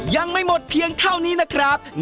ยังไม่หมดเพียงเท่านี้นะครับ